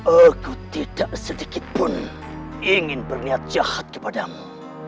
aku tidak sedikitpun ingin berniat jahat kepadamu